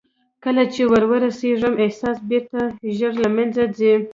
کله چې ور رسېږم احساس بېرته ژر له منځه ځي.